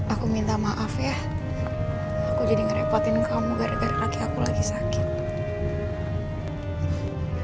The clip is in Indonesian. aku minta maaf ya aku jadi ngerepotin kamu gara gara kaki aku lagi sakit